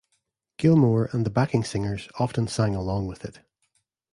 Gilmour and the backing singers often sang along with it.